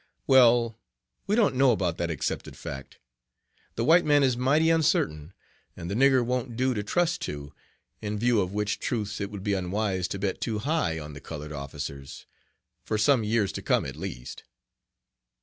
Well, we don't know about that 'accepted fact.' The white man is mighty uncertain, and the nigger won't do to trust to, in view of which truths it would be unwise to bet too high on the 'colored officers,' for some years to come at least.